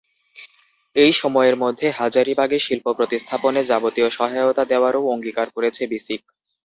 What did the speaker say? এই সময়ের মধ্যে হাজারীবাগে শিল্প প্রতিস্থাপনে যাবতীয় সহায়তা দেওয়ারও অঙ্গীকার করেছে বিসিক।